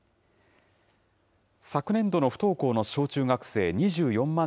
昨年度の不登校の小中学生２４万